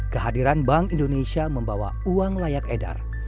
kehadiran bank indonesia membawa uang layak edar